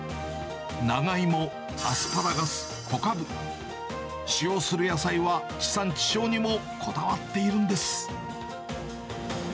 長芋、アスパラガス、小カブ、使用する野菜は地産地消にもこだわっているんです。